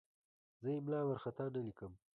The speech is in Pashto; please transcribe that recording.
زه املا وارخطا نه لیکم.